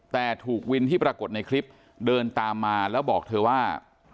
แต่ถูกวินที่ปรากฏในคลิปเดินตามมาแล้วบอกเธอว่า